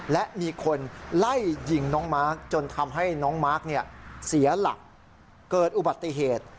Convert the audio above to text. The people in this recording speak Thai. และมีคนไล่ยิงน้องมาร์คจนทำให้น้องมาร์คเสียหลักเกิดอุบัติเหตุ